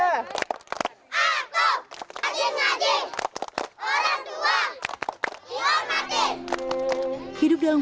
aku haji haji orang tua dihormati